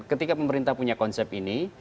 ketika pemerintah punya konsep ini